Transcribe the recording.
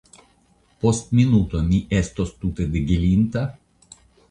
Post minuto mi estos tute degelinta?